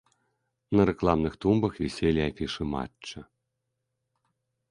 На рэкламных тумбах віселі афішы матча.